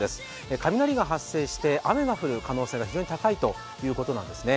雷が発生して雨が降る可能性が非常に高いということなんですね。